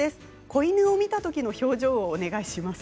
子犬を見たときの表情でお願いします。